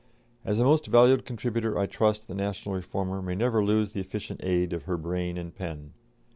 As a most valued contributor I trust the National Reformer may never lose the efficient aid of her brain and pen.